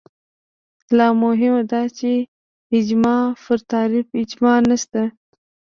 لا مهمه دا چې اجماع پر تعریف اجماع نشته